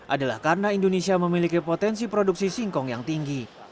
adalah karena indonesia memiliki potensi produksi singkong yang tinggi